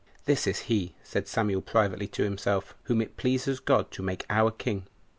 This is he, said Samuel privately to himself, whom it pleases God to make our king.